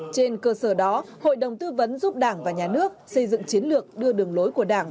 trên cơ sở đó hội đồng tư vấn giúp đảng và nhà nước xây dựng chiến lược đưa đường lối của đảng